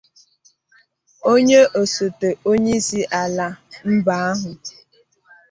Onye osote onye isi ala mba ahụ